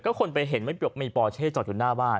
คนไปเห็นไม่มีปอเช่จอดอยู่หน้าบ้าน